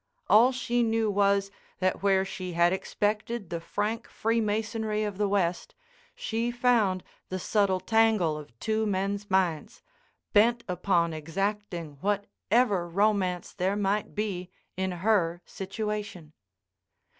All she knew was, that where she had expected the frank freemasonry of the West, she found the subtle tangle of two men's minds, bent upon exacting whatever romance there might be in her situation.